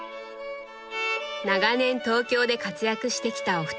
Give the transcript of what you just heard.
長年東京で活躍してきたお二人。